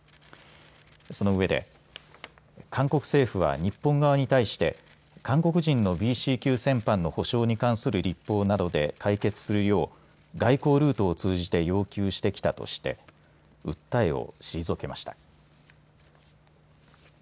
そのうえで韓国政府は日本側に対して韓国人のＢＣ級戦犯の補償に関する立法などで解決するよう外交ルートを通じて要求してきたとして訴えを退けました。